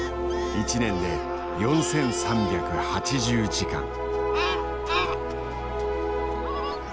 １年で４，３８０時間。